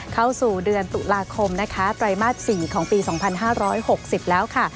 เข้าสู่เดือนตุลาคมนะคะไตรมาส๔ของปี๒๕๖๐แล้วค่ะ